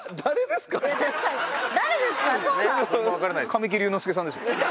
神木隆之介さんです。